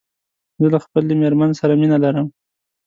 زه له خپلې ميرمن سره مينه لرم